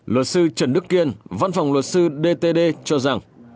luật sư trần đức kiên văn phòng luật sư dtd cho rằng